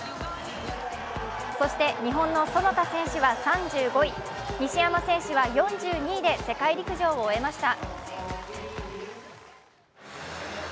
そして日本の其田選手は３５位、西山選手は４２位で世界陸上を終えました。